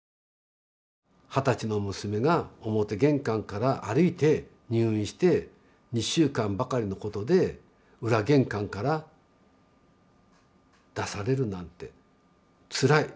二十歳の娘が表玄関から歩いて入院して２週間ばかりのことで裏玄関から出されるなんてつらい。